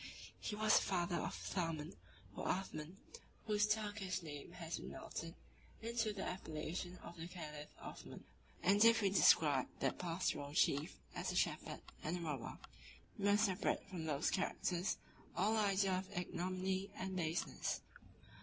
He was the father of Thaman, or Athman, whose Turkish name has been melted into the appellation of the caliph Othman; and if we describe that pastoral chief as a shepherd and a robber, we must separate from those characters all idea of ignominy and baseness.